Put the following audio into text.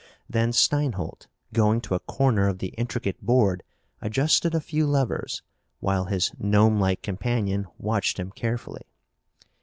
Then Steinholt, going to a corner of the intricate board, adjusted a few levers, while his gnomelike companion watched him carefully.